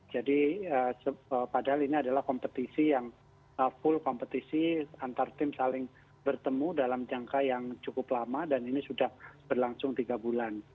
jadi padahal ini adalah kompetisi yang full kompetisi antar tim saling bertemu dalam jangka yang cukup lama dan ini sudah berlangsung tiga bulan